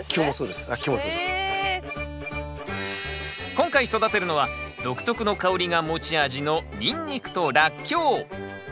今回育てるのは独特の香りが持ち味のニンニクとラッキョウ。